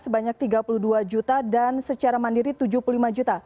sebanyak tiga puluh dua juta dan secara mandiri tujuh puluh lima juta